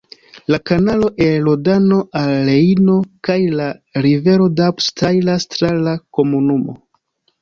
La kanalo el Rodano al Rejno kaj la rivero Doubs trairas tra la komunumo.